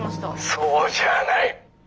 「そうじゃあないッ」。